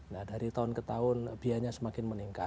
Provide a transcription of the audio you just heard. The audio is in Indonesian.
nah dari tahun ke tahun biayanya semakin meningkat